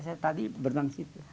saya tadi berenang di situ